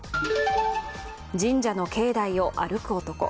神社の境内を歩く男。